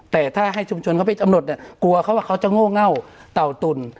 แต่ถ้าให้ชุมชนเขาไปกำหนดเนี่ยกลัวเขาว่าเขาจะโง่เง่าเต่าตุ่น